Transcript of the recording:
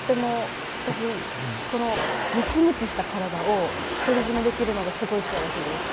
私このむちむちした体を独り占めできるのがすごい幸せです